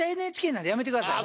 なんでやめてください。